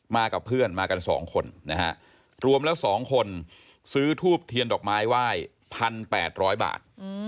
มากับเพื่อนมากันสองคนนะฮะรวมแล้วสองคนซื้อทูปเทียนดอกไม้ไหว้พันแปดร้อยบาท